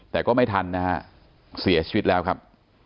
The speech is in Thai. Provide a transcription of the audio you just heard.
แต่ก็ไม่ทันนะฮะเสียชีวิตแล้วครับ